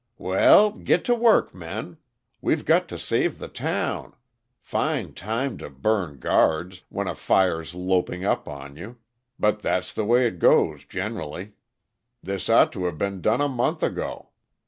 "Well get to work, men. We've got to save the town. Fine time to burn guards when a fire's loping up on you! But that's the way it goes, generally. This ought to've been done a month ago.